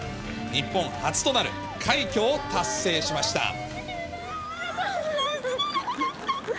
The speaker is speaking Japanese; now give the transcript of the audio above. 日本初となる快挙を達成しました。